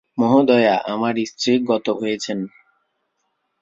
মহোদয়া, আমার স্ত্রী গত হয়েছেন।